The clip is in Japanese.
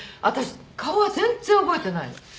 私顔は全然覚えてないの。